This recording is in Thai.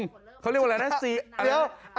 เขาเรียกว่าอะไรนะ